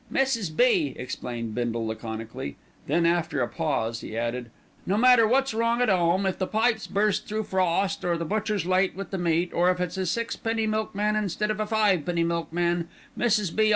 "Mrs. B.," explained Bindle laconically. Then after a pause he added, "No matter wot's wrong at 'ome, if the pipes burst through frost, or the butcher's late with the meat, or if it's a sixpenny milkman instead of a fivepenny milkman, Mrs. B.